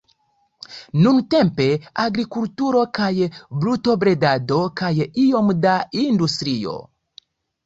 Nuntempe agrikulturo kaj brutobredado kaj iom da industrio.